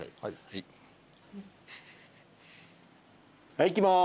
はいいきます。